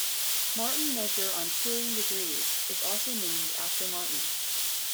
Martin measure on Turing degrees is also named after Martin.